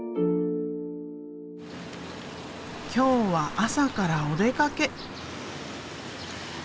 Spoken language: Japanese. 今日は朝からお出かけ。